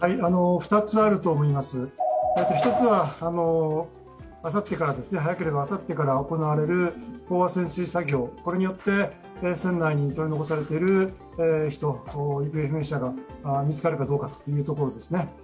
１つは早ければあさってから行われる飽和潜水作業によって船内に取り残されている人、行方不明者が見つかるかどうかというところですね。